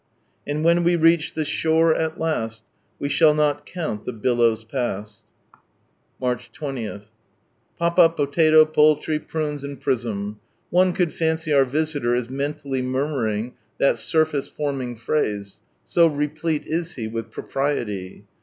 "And wki» Till reach the shore al last iVe shall nol counl Iht hHlsws fail." March 20. —" Papa, potato, poultry, prunes and prism." One could fancy our visitor is mentally murmuring that " surface " forming phrase, so replete is he with propriety.